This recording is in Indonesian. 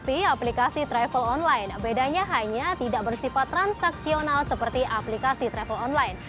aplikasi travel online bedanya hanya tidak bersifat transaksional seperti aplikasi travel online